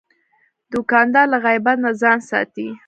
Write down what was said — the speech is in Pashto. دوکاندار له غیبت نه ځان ساتي.